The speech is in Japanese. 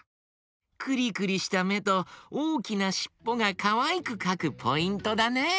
クリクリしためとおおきなしっぽがかわいくかくポイントだね。